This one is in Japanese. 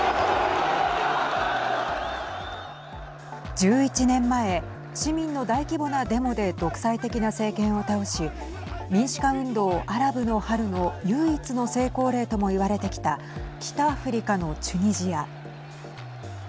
１１年前市民の大規模なデモで独裁的な政権を倒し民主化運動、アラブの春の唯一の成功例とも言われてきた北アフリカのチュニジア。